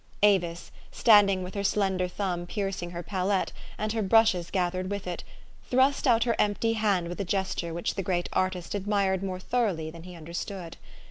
Avis, standing with her slender thumb piercing her palette, and her brushes gathered with it, thrust out her empty hand with a gesture which the great artist admired more thoroughly than he understood.